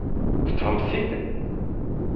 Teṭṭfemt-t-id?